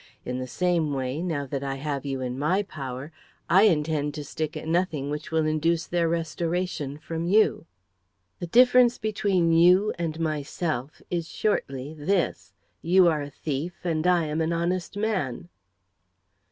In the same way, now that I have you in my power, I intend to stick at nothing which will induce their restoration from you." "The difference between you and myself is, shortly, this you are a thief, and I am an honest man."